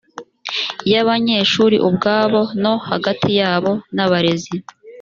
y abanyeshuri ubwabo no hagati yabo n abarezi